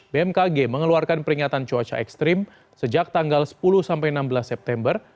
bmkg mengeluarkan peringatan cuaca ekstrim sejak tanggal sepuluh sampai enam belas september